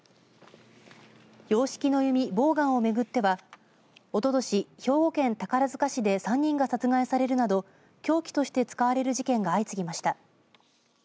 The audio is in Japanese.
洋式の弓、ボーガンをめぐってはおととし、兵庫県宝塚市で３人が殺害されるなど凶器として使われる事件が相次ぎました。